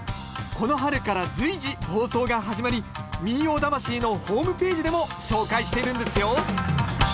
この春から随時放送が始まり「民謡魂」のホームページでも紹介しているんですよ